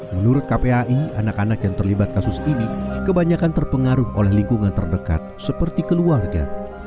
menurut kpai anak anak yang terlibat kasus ini kebanyakan terpengaruh oleh lingkungan terdekat seperti keluarga